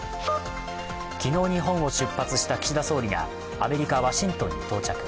昨日、日本を出発した岸田総理がアメリカ・ワシントンに到着。